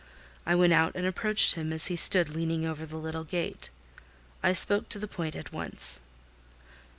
I went out and approached him as he stood leaning over the little gate; I spoke to the point at once.